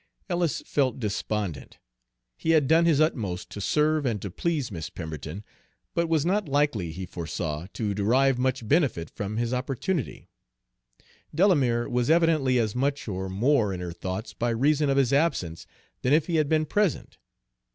Ellis felt despondent. He had done his utmost to serve and to please Miss Pemberton, but was not likely, he foresaw, to derive much benefit from his opportunity. Delamere was evidently as much or more in her thoughts by reason of his absence than if he had been present.